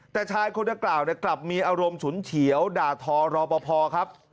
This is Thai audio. แต่ชายคนดังกล่าวกลับมีอารมณ์ฉุนเฉียวด่าทอรอปภครับ